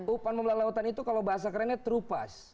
umpan membelah lautan itu kalau bahasa kerennya trupas